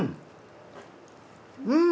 うん！